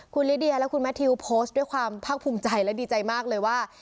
คุณลิเดียและคุณแมททิวโพสต์ด้วยความภาคภูมิใจและดีใจมากเลยว่า